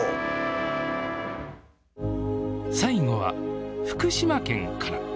最後は福島県から。